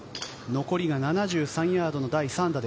残りが７３ヤードの第３打。